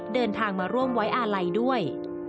เดินทางมาร่วมไว้อาลัยด้วย